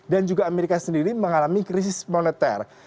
dan juga amerika sendiri mengalami krisis moneter